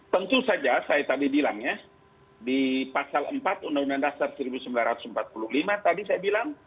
tentu saja saya tadi bilang ya di pasal empat undang undang dasar seribu sembilan ratus empat puluh lima tadi saya bilang